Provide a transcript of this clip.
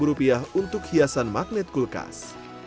dan tiga puluh lima rupiah untuk hiasan magnet kulkas